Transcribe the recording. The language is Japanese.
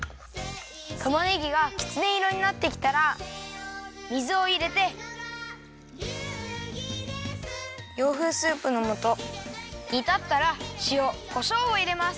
たまねぎがきつねいろになってきたら水をいれて洋風スープのもとにたったらしおこしょうをいれます。